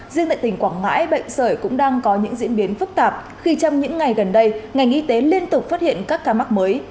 riêng tại tỉnh quảng ngãi bệnh sởi cũng đang có những diễn biến phức tạp khi trong những ngày gần đây ngành y tế liên tục phát hiện các ca mắc mới